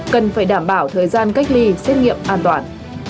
cần phải đảm bảo thời gian cách ly xét nghiệm an toàn